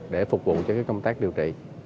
để phục vụ cho cái công tác điều trị